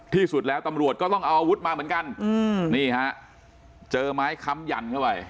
ที่สุดแล้วตำรวจก็ต้องเอาอาวุธมาเหมือนกันนี่ฮะเจอไม้ค้ำยันเข้าไป